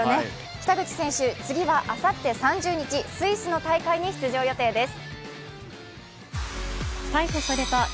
北口選手、次はあさって３０日、スイスの大会に出場予定です。